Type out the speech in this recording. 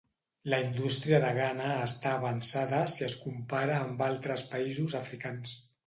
La indústria de Ghana està avançada si es compara amb altres països africans.